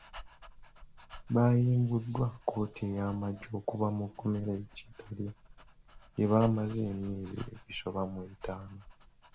Baayimbuddwa kkooti y’amagye okuva mu kkomera e Kitalya gye bamaze emyezi egisoba mu etaano.